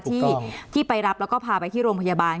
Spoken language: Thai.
ที่ไปรับแล้วก็พาไปที่โรงพยาบาล